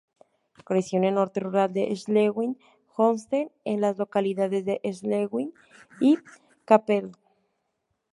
Creció en el norte rural de Schleswig-Holstein, entre las localidades de Schleswig y Kappeln.